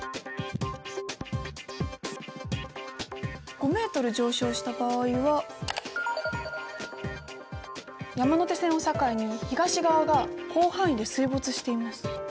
５ｍ上昇した場合は山手線を境に東側が広範囲で水没しています。